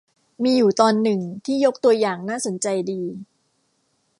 มีอยู่ตอนหนึ่งที่ยกตัวอย่างน่าสนใจดี